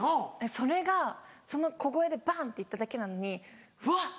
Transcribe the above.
それがその小声でバンって言っただけなのにフワっ！